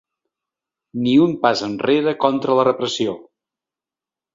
Ni un pas enrere contra la repressió!